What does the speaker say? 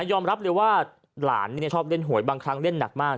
ยอมรับเลยว่าหลานชอบเล่นหวยบางครั้งเล่นหนักมาก